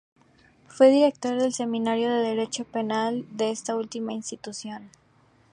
Fue director del Seminario de Derecho Penal de esta última institución.